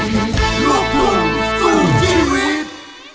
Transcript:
โลกทุ่มสู่ชีวิต